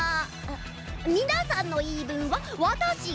みなさんのいいぶんはわたしがきくニャ。